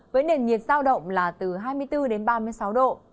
với nền nhiệt giao động là từ hai mươi bốn đến ba mươi sáu độ